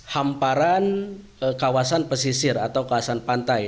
hamparan kawasan pesisir atau kawasan pantai